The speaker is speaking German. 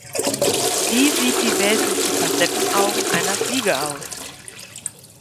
Wie sieht die Welt durch die Facettenaugen einer Fliege aus?